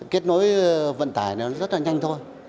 kết nối vận tải nó rất là nhanh thôi